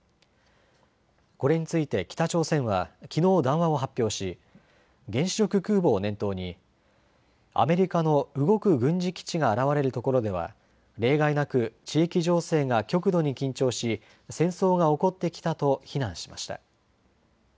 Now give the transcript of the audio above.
これについて北朝鮮はきのう談話を発表し、原子力空母を念頭にアメリカの動く軍事基地が現れるところでは例外なく地域情勢が極度に緊張し戦争が起こってきたと非難しました。